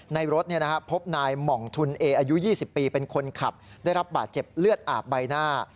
ในรถพบนายหม่องทุนเออายุ๒๐ปีเป็นคนขับได้รับบาดเจ็บเลือดอาบใบหน้า